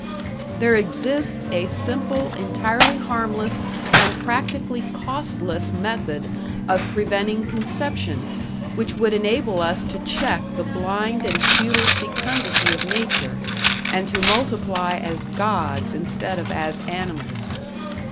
There exists a simple, entirely harmless, and practically costless method of preventing conception, which would enable us to check the blind and futile fecundity of Nature, and to multiply as gods instead of as animals.